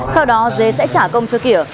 sau đó dế sẽ trả công cho kỷa